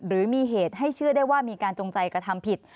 หรือมีเหตุให้เชื่อได้ว่ามีการจงใจกระทำผิด